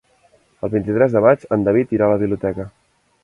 El vint-i-tres de maig en David irà a la biblioteca.